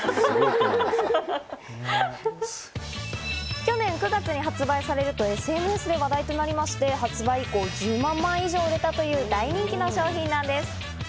去年９月に発売されるとＳＮＳで話題となりまして、発売以降、１０万枚以上売れたという大人気の商品なんです。